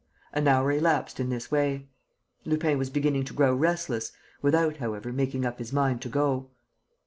An hour elapsed in this way. Lupin was beginning to grow restless, without, however, making up his mind to go.